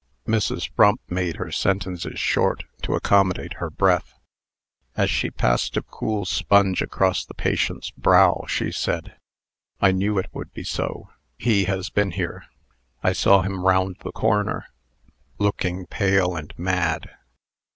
Mrs. Frump made her sentences short, to accommodate her breath. As she passed a cool sponge across the patient's brow, she said: "I knew it would be so. He has been here. I saw him round the corner. Looking pale and mad."